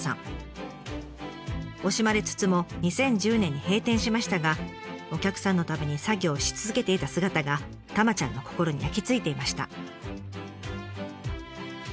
惜しまれつつも２０１０年に閉店しましたがお客さんのために作業し続けていた姿がたまちゃんの心に焼きついていました。